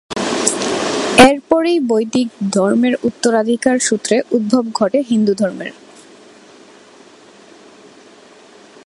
এরপরই বৈদিক ধর্মের উত্তরাধিকার সূত্রে উদ্ভব ঘটে হিন্দুধর্মের।